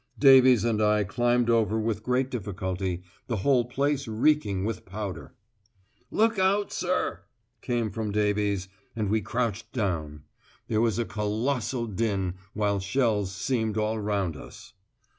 Davies and I climbed over with great difficulty, the whole place reeking with powder. "Look out, sir!" came from Davies, and we crouched down. There was a colossal din while shells seemed all round us.